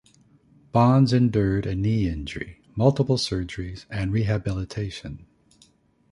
Bonds endured a knee injury, multiple surgeries, and rehabilitation.